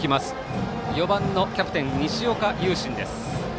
４番のキャプテン西岡悠慎です。